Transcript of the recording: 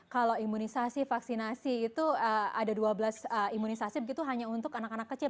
kalau imunisasi vaksinasi itu ada dua belas imunisasi begitu hanya untuk anak anak kecil